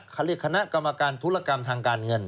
เขาเรียกคณะกรรมการธุรกรรมทางการเงิน